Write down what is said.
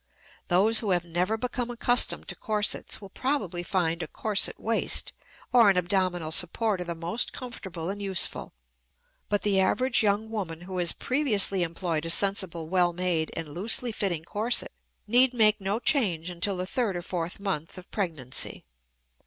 Those who have never become accustomed to corsets will probably find a corset waist or an abdominal supporter the most comfortable and useful. But the average young woman who has previously employed a sensible, well made, and loosely fitting corset need make no change until the third or fourth month of pregnancy.